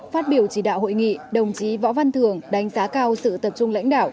phát biểu chỉ đạo hội nghị đồng chí võ văn thường đánh giá cao sự tập trung lãnh đạo